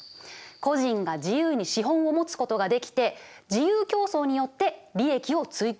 個人が自由に資本を持つことができて自由競争によって利益を追求していく。